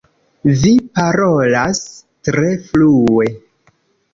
Vi parolas tre flue.